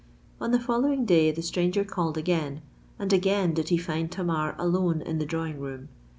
On the following day the stranger called again; and again did he find Tamar alone in the drawing room.